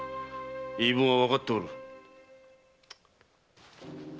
言い分はわかっておる。